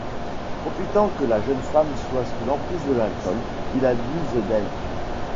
Profitant que la jeune femme soit sous l'emprise de l'alcool, il abuse d'elle.